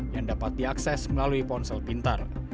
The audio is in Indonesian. yang dapat diakses melalui ponsel pintar